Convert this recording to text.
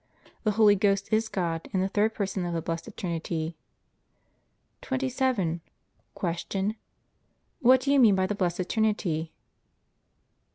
The Holy Ghost is God and the third Person of the Blessed Trinity. 27. Q. What do you mean by the Blessed Trinity?